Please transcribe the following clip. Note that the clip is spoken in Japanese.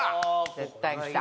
絶対きた。